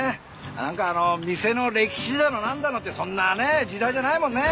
なんかあの店の歴史だのなんだのってそんなね時代じゃないもんね。